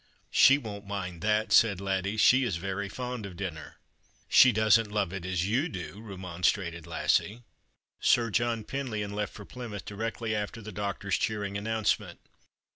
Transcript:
" She won't mind that," .said Laddie ; "she is very fond of dinner." " She doesn't love it as you do," remonstrated Lassie. Sir John Penlyon left for Plymouth directly after the doctor's cheering announcement.